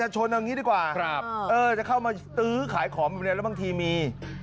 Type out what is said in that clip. จะเข้ามาซื้อขายของแล้วบ้างทีมี